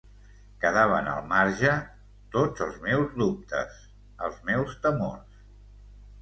Quedaven al marge tots els meus dubtes, els meus temors.